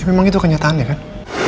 memang itu kenyataan ya kan